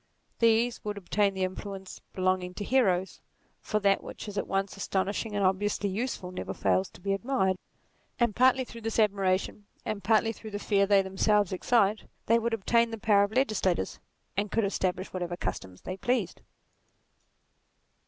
These would obtain the influence belonging to heroes, for that which is at once astonishing and obviously useful never fails to be admired : and partly through this admiration, partly through the fear they themselves excite, they would obtain the power of legislators, and could establish whatever customs they pleased.